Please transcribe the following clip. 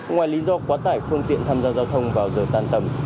ngoài lý do quá tải phương tiện tham gia giao thông vào giờ tan tầm